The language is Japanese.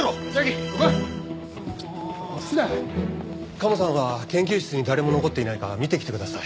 鴨さんは研究室に誰も残っていないか見てきてください。